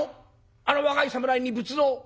あの若い侍に仏像を。